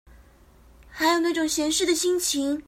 還有那種閒適的心情